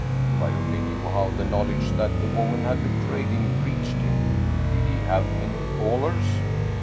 If I only knew how the knowl edge that the woman had betrayed him reached him. Did he have any callers